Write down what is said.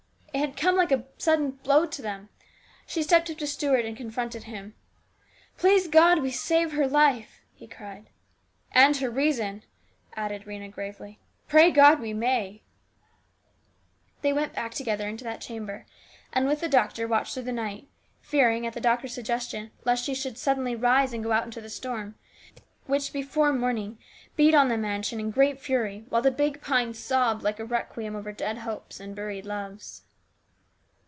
It had come like a sudden blow to them. She stepped up to Stuart and confronted him. " Please God we'll save her life !" he cried STEWARDSHIP. 291 " And her reason," added Rhena gravely. " Pray God we may !" They went back together into that chamber, and with the doctor watched through the night, fearing, at the doctor's suggestion, lest she should suddenly rise and go out into the storm, which before morning beat on the mansion in great fury, while the big pines sobbed like a requiem over dead hopes and buried loves.